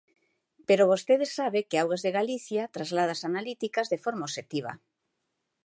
Pero vostede sabe que Augas de Galicia traslada as analíticas de forma obxectiva.